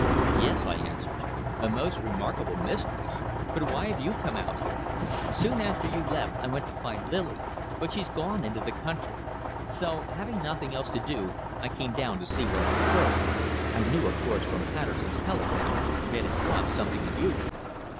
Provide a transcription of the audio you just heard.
"Yes," I answered. "A most remarkable mystery. But why have you come out here?" "Soon after you left I went to find Lily, but she's gone into the country. So having nothing else to do I came down to see what had occurred. I knew, of course, from Patterson's telegram, that it was something unusual."